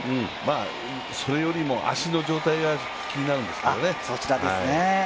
それよりも足の状態が気になるんですけどね。